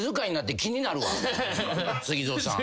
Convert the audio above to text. ＳＵＧＩＺＯさん。